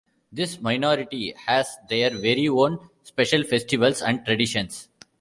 This minority has their very own special festivals and traditions.